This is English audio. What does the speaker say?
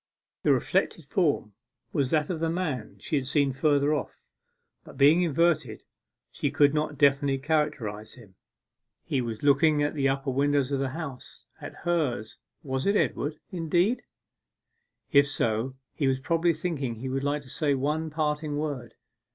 The reflected form was that of the man she had seen further off, but being inverted, she could not definitely characterize him. He was looking at the upper windows of the House at hers was it Edward, indeed? If so, he was probably thinking he would like to say one parting word.